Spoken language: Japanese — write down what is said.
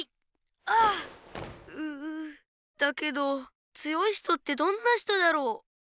だけど強い人ってどんな人だろう？